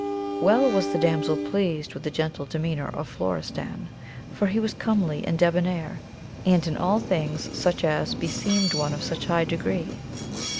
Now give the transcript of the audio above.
Well was the damsel pleased with the gentle demeanour of Florestan, for he was comely and debonair, and in all things such as beseemed one of such high degree.